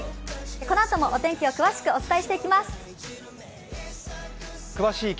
このあともお天気を詳しくお伝えしていきます。